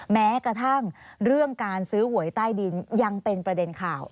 แม้กระทั่งเรื่องการซื้อหวยใต้ดินยังเป็นประเด็นข่าว